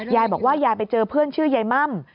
ยายบอกว่ายายไปเจอเพื่อนชื่อยายม่ำ